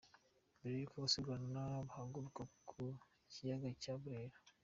Mbere yuko abasiganwa bahaguruka ku kiyaga cya Burera.